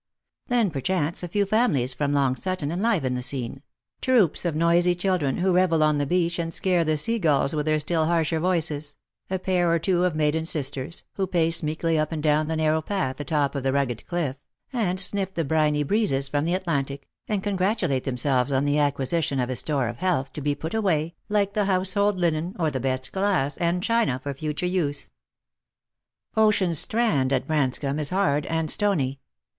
Then perchance a few families from Long Sutton enliven the scene ; troops of noisy children, who revel on the beach and scare the seagulls with their still harsher voices; a pair or two of maiden sisters, who pace meekly up and down the narrow path atop of the rugged cliff, and sniff the briny breezes from the Atlantic, and con Lost for Love. 117 eratulate themselves on the acquisition of a store of health, to be put away, like the household linen or the best glass and thina, for future use. Ocean's strand at Branscomb is hard and stony.